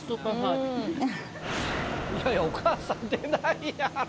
いやいや、お母さん出ないやろ。